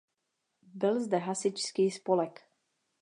Byl zde hasičský spolek.